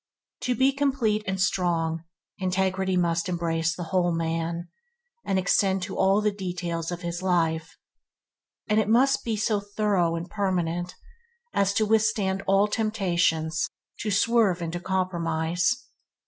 To be complete and strong, integrity must embrace the whole man, and extend to all the details of his life; and it must be so through and permanent as to withstand all temptations to swerve into compromise.